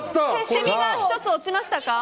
セミが１個落ちましたか。